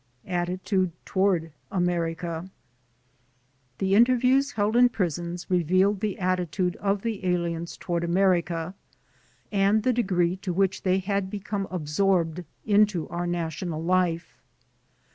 Attitude toward America The interviews held in prisons revealed the attitude of the aliens toward America, and the degree to which they had become absorbed into our national life.